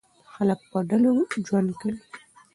خلک په ډلو کې ژوند کوي.